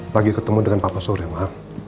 pagi ketemu dengan papa surya ma